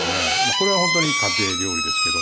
これは本当に家庭料理ですけど。